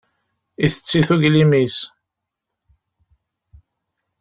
Ittett-it uglim-is.